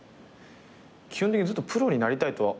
基本的にずっとプロになりたいとは。